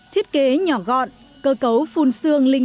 thiết kế nhỏ gọn cơ cấu phun xương linh